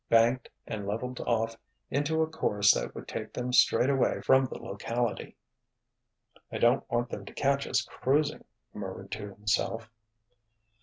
—banked and leveled off into a course that would take them straight away from the locality. "I don't want them to catch us cruising," he murmured to himself.